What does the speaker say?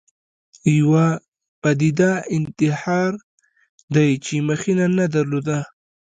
یوه پدیده انتحار دی چې مخینه نه درلوده